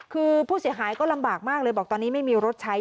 คือผู้เสียหายก็ลำบากมากเลยบอกตอนนี้ไม่มีรถใช้